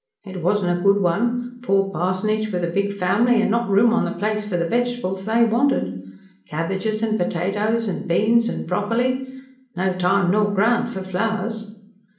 It wasn't a good one poor parsonage with a big family an' not room on the place for the vegetables they wanted. Cabbages, an' potatoes, an' beans, an' broccoli. No time nor ground for flowers.